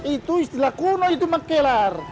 itu istilah kuno itu menkelar